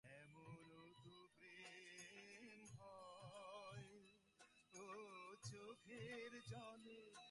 তুমিও জান, আমিও জানি, আমি যা, আমি তাই।